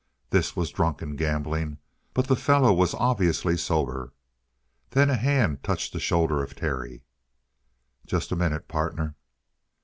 This was drunken gambling, but the fellow was obviously sober. Then a hand touched the shoulder of Terry. "Just a minute, partner."